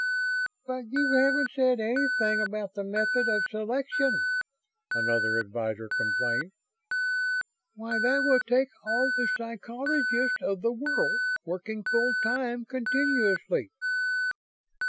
"But you haven't said anything about the method of selection," another Advisor complained. "Why, that will take all the psychologists of the world, working full time; continuously."